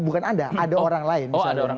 bukan anda ada orang lain misalnya